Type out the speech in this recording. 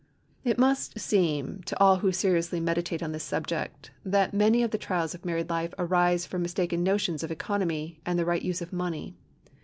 It must seem to all who seriously meditate on this subject that many of the trials of married life arise from mistaken notions of economy and the right use of money.